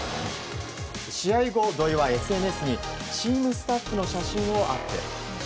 試合後、土井はＳＮＳにチームスタッフの写真をアップ。